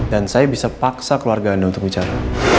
dan saya bisa paksa keluarga anda untuk bicara